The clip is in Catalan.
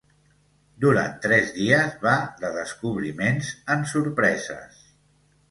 Durant tres dies, va de descobriments en sorpreses.